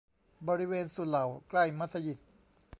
บริเวณสุเหร่าใกล้มัสยิด